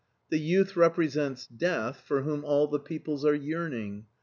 The youth represents death, for whom all the peoples are yearning.